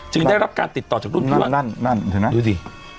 จึงได้รับการติดต่อจากรุ่นพี่นั่นนั่นนั่นถึงนะดูสิ